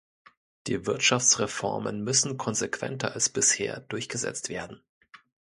Die Wirtschaftsreformen müssen konsequenter als bisher durchgesetzt werden.